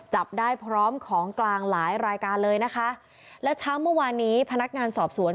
จับได้พร้อมของกลางหลายรายการเลยนะคะและเช้าเมื่อวานนี้พนักงานสอบสวน